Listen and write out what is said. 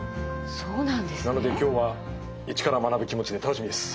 なので今日は一から学ぶ気持ちで楽しみです。